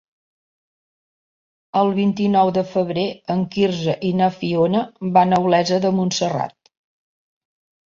El vint-i-nou de febrer en Quirze i na Fiona van a Olesa de Montserrat.